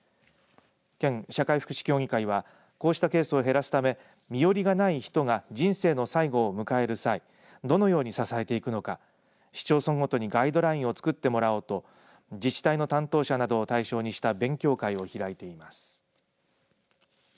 県社会福祉協議会はこうしたケースを減らすため身寄りがない人が人生の最期を迎える際どのように支えていくのか市町村ごとにガイドラインを作ってもらおうと自治体の担当者などを対象にした勉強会を開いてます。